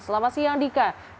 selamat siang dika